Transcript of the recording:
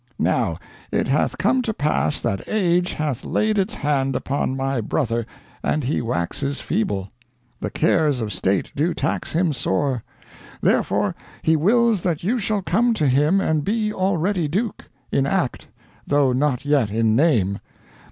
"Now it hath come to pass that age hath laid its hand upon my brother, and he waxes feeble. The cares of state do tax him sore, therefore he wills that you shall come to him and be already duke in act, though not yet in name.